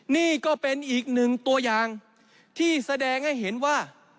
นี่ก็เป็นอีกหนึ่งตัวอย่างที่แสดงให้เห็นว่า